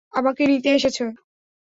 আমাকে নিতে এসেছ।